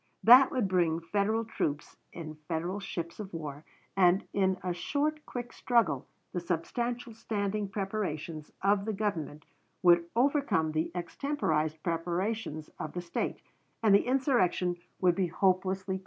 That would bring Federal troops in Federal ships of war, and in a short, quick struggle the substantial standing preparations of the Government would overcome the extemporized preparations of the State, and the insurrection would be hopelessly quelled.